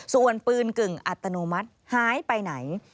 ส่วนปืนกึ่งอัตโนมัติหายไปไหน